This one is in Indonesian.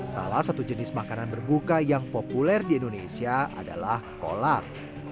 salah satu jenis makanan berbuka yang populer di indonesia adalah kolak